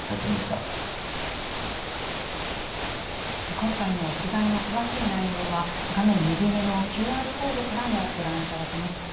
今回の取材の詳しい内容は、画面右上のＱＲコードからもご覧いただけます。